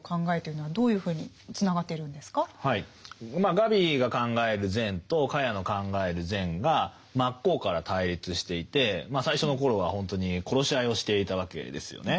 ガビが考える善とカヤの考える善が真っ向から対立していて最初の頃はほんとに殺し合いをしていたわけですよね。